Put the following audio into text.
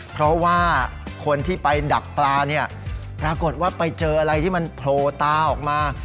เพราะว่าคนที่ไปดักปลาเนี่ยปรากฏว่าไปเจออะไรที่มันโผล่ตาออกมา